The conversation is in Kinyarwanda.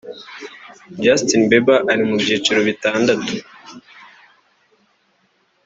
Justin Beiber ari mu byiciro bitandatu